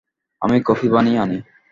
আমি কফি বানিয়ে আনি।